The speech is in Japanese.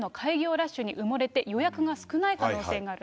ラッシュに埋もれて予約が少ない可能性がある。